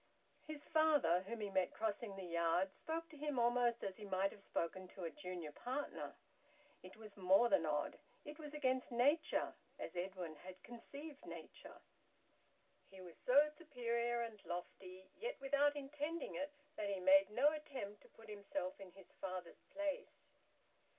His father, whom he met crossing the yard, spoke to him almost as he might have spoken to a junior partner. It was more than odd; it was against nature, as Edwin had conceived nature. He was so superior and lofty, yet without intending it, that he made no attempt to put himself in his father's place.